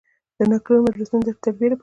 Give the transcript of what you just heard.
د نکلونو مجلسونه د تربیې لپاره دي.